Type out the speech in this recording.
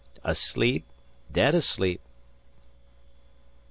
"Asleep dead asleep.